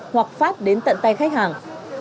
hoặc phát đến tận tay khách hàng